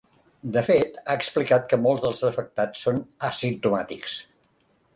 De fet, ha explicat que molts dels afectats són asimptomàtics.